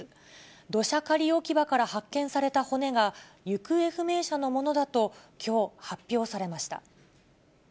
土砂仮置き場から発見された骨が、行方不明者のものだと、きょう、発表されました。